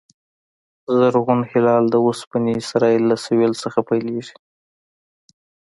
زرغون هلال د اوسني اسرایل له سوېل څخه پیلېږي